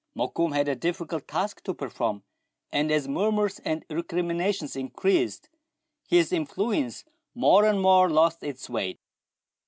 Mokoum had a difficult task to perform, and as murmurs and recriminations increased, his influence more and more lost its weight.